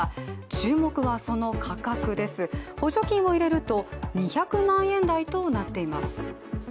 注目はその価格です、補助金を入れると２００万円台となっています。